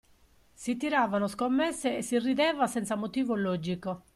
Si tiravano scommesse e si rideva senza motivo logico.